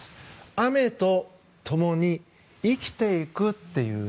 雨と共に生きていくという。